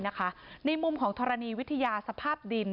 ในมุมของธรณีวิทยาสภาพดิน